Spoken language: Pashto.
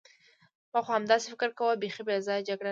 ما خو همداسې فکر کاوه، بیخي بې ځایه جګړه نه ده.